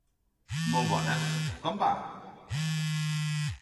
Molt bones, com va?